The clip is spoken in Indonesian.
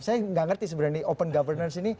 saya nggak ngerti sebenarnya ini open governance